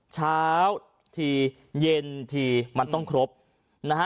เช้าทีเย็นทีมันต้องครบนะฮะ